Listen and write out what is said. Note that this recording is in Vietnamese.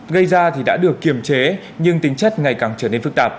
khi bị cơ quan công an tầm giữ